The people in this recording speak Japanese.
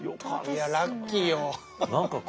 いやラッキーよ。